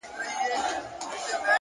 د گندارا د شاپېريو د سُرخيو په باب _